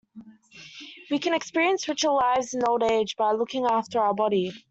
We can experience richer lives in old age by looking after our body.